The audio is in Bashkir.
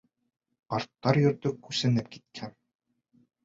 Ҡарттар йорто күсенеп киткән!